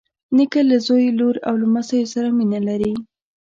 نیکه له زوی، لور او لمسیو سره مینه لري.